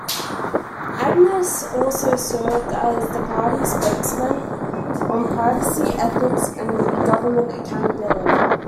Angus also served as the party's spokesman on privacy, ethics and government accountability.